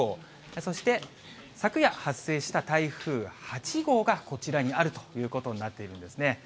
そして昨夜発生した台風８号がこちらにあるということになっているんですね。